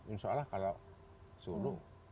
insya allah kalau suluh